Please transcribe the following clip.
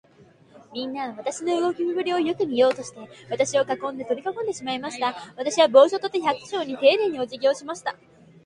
みんなは、私の動きぶりをよく見ようとして、私を囲んで、坐り込んでしまいました。私は帽子を取って、百姓にていねいに、おじぎをしました。